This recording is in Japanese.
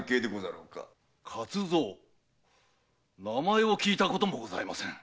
「勝蔵」名前を聞いたこともございません。